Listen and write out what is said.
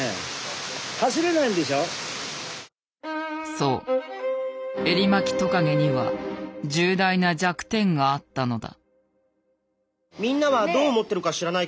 そうエリマキトカゲには重大な弱点があったのだ。